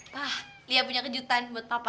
wah dia punya kejutan buat papa